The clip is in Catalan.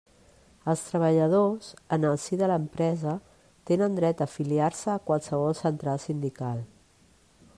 Els treballadors, en el si de l'empresa, tenen dret a afiliar-se a qualsevol central sindical.